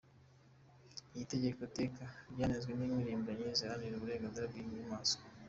Iri tegeko-teka ryanenzwe n'impirimbanyi ziharanira uburenganzira bw'inyamaswa.